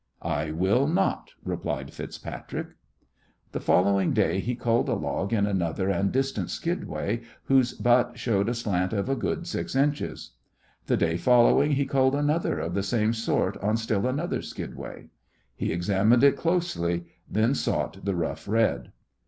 "I will not," replied FitzPatrick. The following day he culled a log in another and distant skidway whose butt showed a slant of a good six inches. The day following he culled another of the same sort on still another skidway. He examined it closely, then sought the Rough Red.